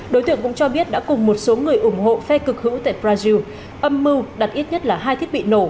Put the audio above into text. đối tượng cũng cho biết đã cùng một số người ủng hộ phe cực hữu tại brazil âm mưu đặt ít nhất là hai thiết bị nổ